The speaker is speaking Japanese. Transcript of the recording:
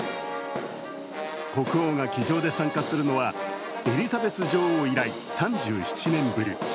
国王が騎乗で参加するのはエリザベス女王以来３７年ぶり。